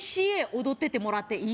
踊っててもらっていい？